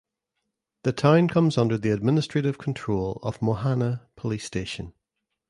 The town comes under the administrative control of Mohana Police station.